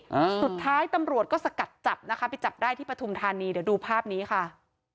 อ่าสุดท้ายตำรวจก็สกัดจับนะคะไปจับได้ที่ปฐุมธานีเดี๋ยวดูภาพนี้ค่ะ